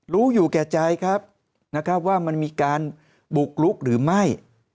รู้อยู่แก่ใจครับนะครับว่ามันมีการบุกลุกหรือไม่